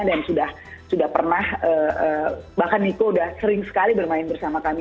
dan sudah pernah bahkan niko sudah sering sekali bermain bersama kami